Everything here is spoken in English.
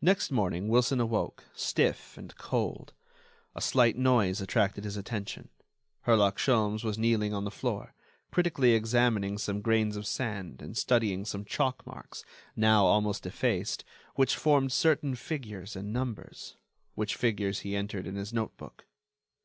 Next morning Wilson awoke, stiff and cold. A slight noise attracted his attention: Herlock Sholmes was kneeling on the floor, critically examining some grains of sand and studying some chalk marks, now almost effaced, which formed certain figures and numbers, which figures he entered in his notebook.